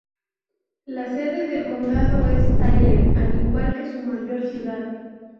La sede del condado es Tyler, al igual que su mayor ciudad.